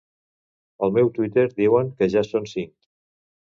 Al meu Twitter diuen que ja són cinc.